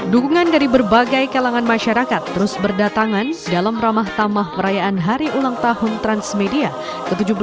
dukungan dari berbagai kalangan masyarakat terus berdatangan dalam ramah tamah perayaan hari ulang tahun transmedia ke tujuh belas